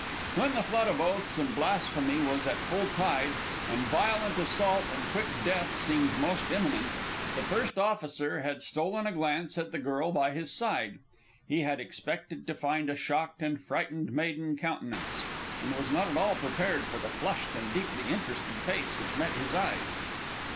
When the flood of oaths and blasphemy was at full tide, and violent assault and quick death seemed most imminent, the first officer had stolen a glance at the girl by his side. He had expected to find a shocked and frightened maiden countenance, and was not at all prepared for the flushed and deeply interested face which met his eyes.